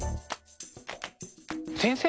先生